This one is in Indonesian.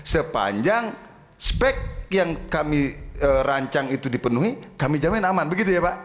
sepanjang spek yang kami rancang itu dipenuhi kami jamin aman begitu ya pak